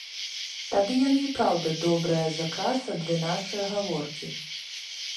Тады яны і праўда добрая закраса для нашае гаворкі.